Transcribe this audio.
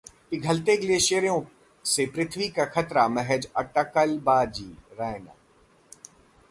पिघलते ग्लेशियरों से पृथ्वी को खतरा महज अटकलबाजी: रैना